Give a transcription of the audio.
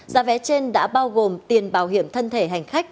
giá vé trên đã bao gồm tiền bảo hiểm thân thể hành khách